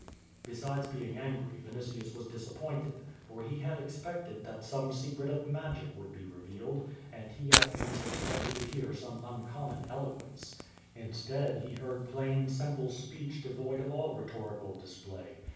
Besides being angry, Yinitius was disappointed, for he had expected that some secret of magic would be revealed, and he at least ex pected to hear some uncommon eloquence. Instead he heard plain, simple speech devoid of all rhetorical display.